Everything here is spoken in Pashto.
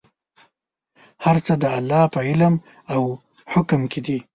هر څه د الله په علم او حکم کې دي.